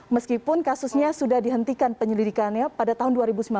meskipun kasusnya sudah dihentikan penyelidikannya pada tahun dua ribu sembilan belas